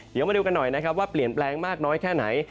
เดี๋ยวมาดูกันหน่อยนะครับว่าเปลี่ยนแปลงมากน้อยแค่ไหน